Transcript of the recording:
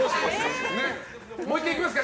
もう１回行きますか。